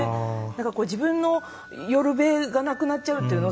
自分の寄る辺がなくなっちゃうっていうの？